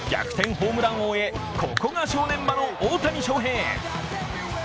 ホームラン王へここが正念場の大谷翔平。